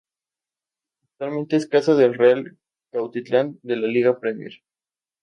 Actualmente es casa del Real Cuautitlán de la Liga Premier.